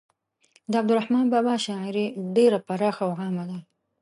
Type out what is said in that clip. د عبدالرحمان بابا شاعري ډیره پراخه او عامه ده.